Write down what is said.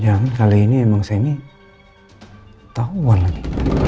jangan jangan kali ini emang semi ketauan lagi